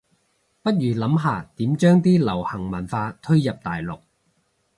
不如諗下點將啲流行文化推入大陸